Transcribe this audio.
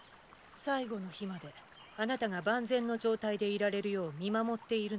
最後の日まであなたが万全の状態でいられるよう見守っているのです。